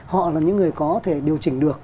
họ là những người có thể điều chỉnh được